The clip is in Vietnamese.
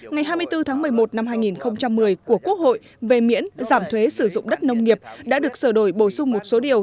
ngày hai mươi bốn tháng một mươi một năm hai nghìn một mươi của quốc hội về miễn giảm thuế sử dụng đất nông nghiệp đã được sửa đổi bổ sung một số điều